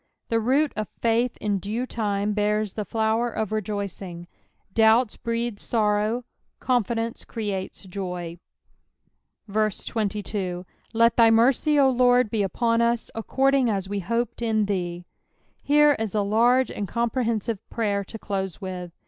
The root of faith in due lime bean the flower of rejoicing. Doubts breed sorrow, confidence creates joy. PBALM THB THIBTY TQIRD. 121 22 Let thy mercy, O LORD, be upon us, according as we hope in thee. Here is a large and comprcheiiBive prajer to close witb.